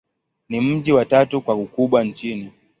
Ni mji wa tatu kwa ukubwa nchini.